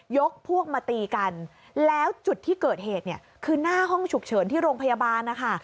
ยกพวกมาตีกันแล้วจุดที่เกิดเหตุเนี่ยคือหน้าห้องฉุกเฉินที่โรงพยาบาลนะคะ